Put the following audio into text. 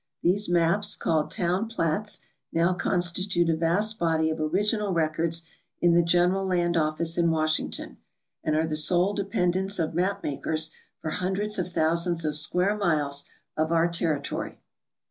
These maps, called town plats, now constitute a vast body of original records in the General Land Office in Washington, and are the sole dependence of map makers for hundreds of thousands of square miles of our territory.